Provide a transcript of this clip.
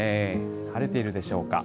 晴れているでしょうか。